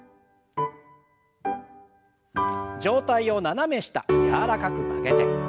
上体を斜め下柔らかく曲げて。